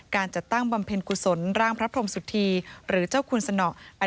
การจัดตั้งบำเพ็ญกุศลร่างพระพรมสุธีหรือเจ้าคุณสนอ